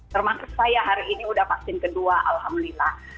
termasuk saya hari ini sudah vaksin kedua alhamdulillah